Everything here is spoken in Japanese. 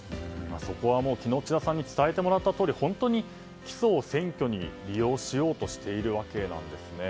そこは昨日千田さんに伝えてもらったとおり本当に起訴を選挙に利用しようとしているわけなんですね。